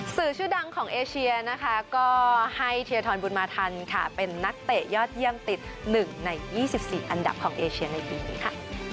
สื่อชื่อดังของเอเชียนะคะก็ให้เทียทรบุญมาทันค่ะเป็นนักเตะยอดเยี่ยมติด๑ใน๒๔อันดับของเอเชียในปีนี้ค่ะ